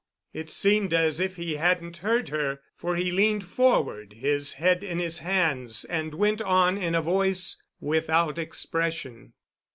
It seemed as if he hadn't heard her, for he leaned forward, his head in his hands, and went on in a voice without expression.